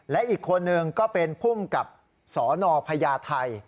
และอีกคนหนึ่งก็เป็นผู้กำกับสนพท